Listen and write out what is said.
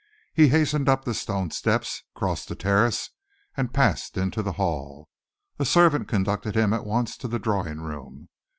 He hastened up the stone steps, crossed the terrace, and passed into the hall. A servant conducted him at once to the drawing room.